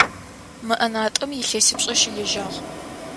Мы ӏэнатӏэм илъэсипшӏэ щылэжьагъ.